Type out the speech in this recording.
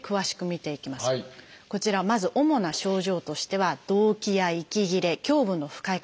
こちらまず主な症状としては動悸や息切れ胸部の不快感。